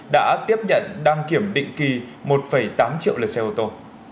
đã tiếp nhận đăng kiểm định kỳ một tám triệu lượt xe ô tô